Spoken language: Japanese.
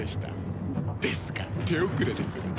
ですが手遅れです。